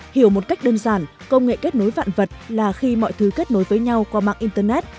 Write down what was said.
hiểu một cách đơn giản công nghệ kết nối vạn vật là khi mọi thứ kết nối với nhau qua mạng internet